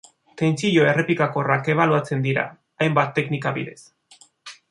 Tentsio errepikakorrak ebaluatzen dira hainbat teknika bidez.